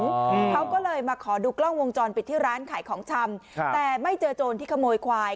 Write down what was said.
อืมเขาก็เลยมาขอดูกล้องวงจรปิดที่ร้านขายของชำครับแต่ไม่เจอโจรที่ขโมยควาย